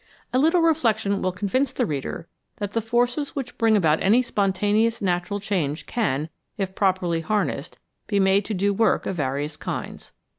A little reflection will convince the reader that the forces which bring about any spontaneous natural change can, if properly harnessed, be made to do work of various kinds.